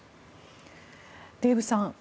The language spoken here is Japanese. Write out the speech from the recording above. デーブさん